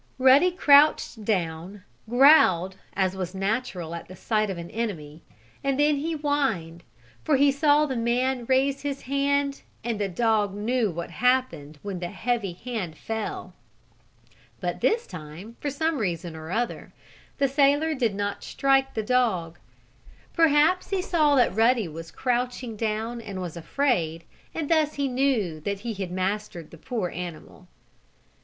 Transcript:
Ruddy crouched down, growled as was natural at the sight of an enemy, and then he whined, for he saw the man raise his hand and the dog knew what happened when the heavy hand fell. But this time, for some reason or other, the sailor did not strike the dog. Perhaps he saw that Ruddy was crouching down and was afraid, and thus he knew that he had mastered the poor animal.